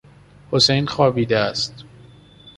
حسین خوابیده است.